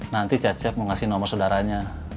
nanti cecep mau kasih nomor saudaranya